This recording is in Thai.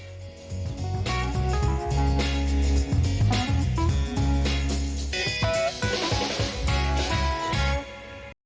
สวัสดีครับ